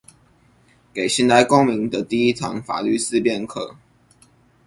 給現代公民的第一堂法律思辨課